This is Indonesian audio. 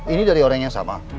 ini dari orang yang sama